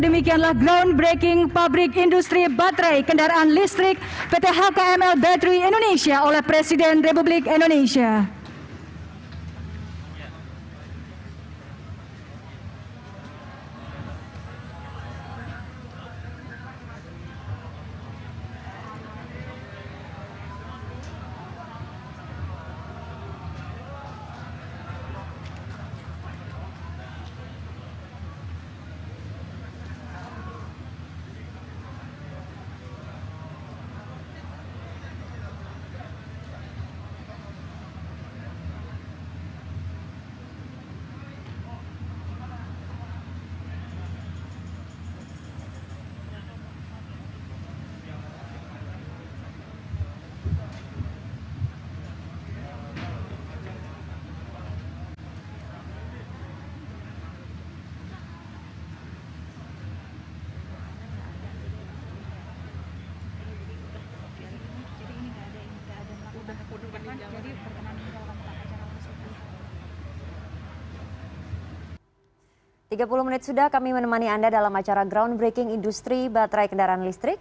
tiga puluh menit sudah kami menemani anda dalam acara groundbreaking industri baterai kendaraan listrik